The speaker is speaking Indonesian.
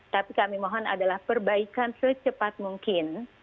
tapi kami mohon adalah perbaikan secepat mungkin